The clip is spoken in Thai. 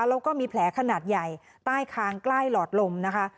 แล้วก็มีแผลขนาดใหญ่ใต้คางใกล้หลอดลมนะคะ